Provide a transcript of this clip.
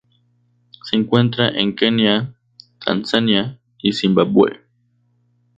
Se encuentra en Kenia, Tanzania y Zimbabue.